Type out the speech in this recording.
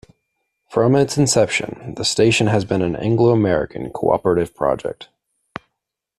From its inception, the station has been an Anglo-American co-operative project.